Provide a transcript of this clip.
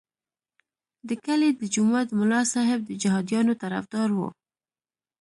د کلي د جومات ملا صاحب د جهادیانو طرفدار وو.